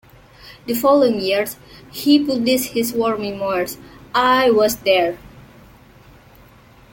The following year, he published his war memoirs, "I Was There".